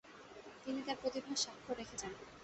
তিনি তার প্রতিভার সাক্ষর রেখে যান।